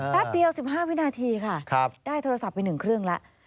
แป๊บเดียว๑๕วินาทีค่ะได้โทรศัพท์ไป๑เครื่องแล้ว